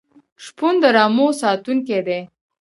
شپون د رمو ساتونکی دی.